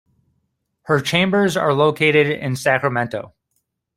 Her chambers are located in Sacramento.